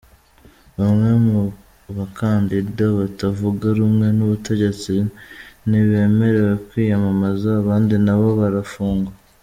Bamwe mu bakandida batavuga rumwe n'ubutegetsi ntibemerewe kwiyamamaza, abandi na bo barafungwa.